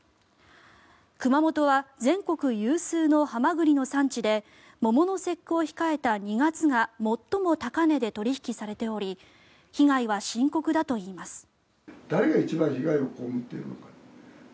熊本は全国有数のハマグリの産地で桃の節句を控えた２月が最も高値で取引されており被害は深刻だといいます。